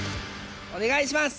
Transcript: お願いします！